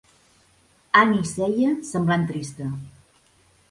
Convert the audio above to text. Annie seia semblant trista.